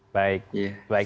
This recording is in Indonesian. baik terima kasih mas